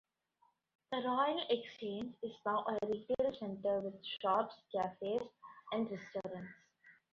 The Royal Exchange is now a retail centre with shops, cafes and restaurants.